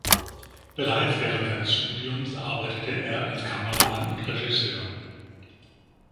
Bereits während seines Studiums arbeitete er als Kameramann und Regisseur.